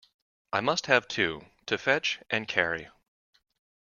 ‘I must have two—to fetch and carry.